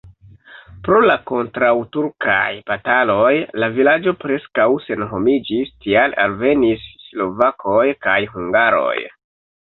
Pro la kontraŭturkaj bataloj la vilaĝo preskaŭ senhomiĝis, tial alvenis slovakoj kaj hungaroj.